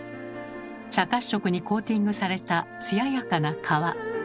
茶褐色にコーティングされた艶やかな皮。